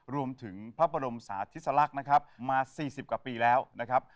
รวมถึงพระบรมสาธิสลักษณ์นะครับมา๔๐กว่าปีแล้วนะครับ